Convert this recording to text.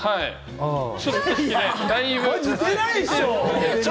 似てないでしょ！